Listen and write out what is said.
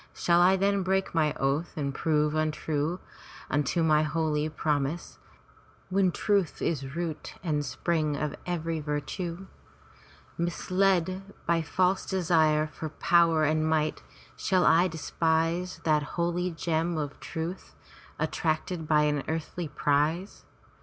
Shall I then break my oath and prove untrue unto my holy prom ise, when truth is root and spring of every virtue? Misled by false desire for power and might, shall I despise that holy gem of truth, attracted by an earthly prize?